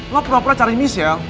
lo pernah perlah cari michelle